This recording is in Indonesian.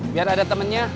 biar ada temennya